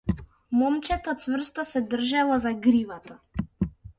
Момчето цврсто се држело за гривата.